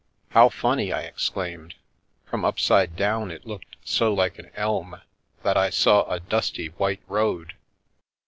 " How funny !" I exclaimed. " From upside down it looked so like an elm that I saw a dusty white road